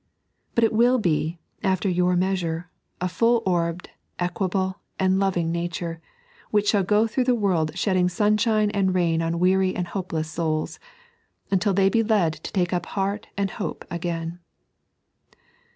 But it will be, after your measure, a Cull orbed, equable, and loving nature, which shall go through the world shedding sunshine and rain on weary and hopeless souls, until they be led to take up heart and hope again.